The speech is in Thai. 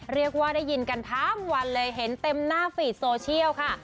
เรียกว่าได้ยินกันทั้งวันเลยเห็นเต็มหน้าฟีดโซเชียลค่ะ